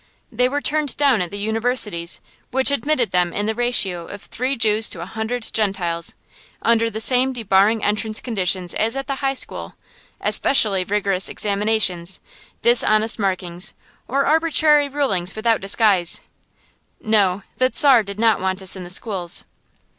They were turned down at the universities, which admitted them in the ratio of three Jews to a hundred Gentiles, under the same debarring entrance conditions as at the high school, especially rigorous examinations, dishonest marking, or arbitrary rulings without disguise. No, the Czar did not want us in the schools.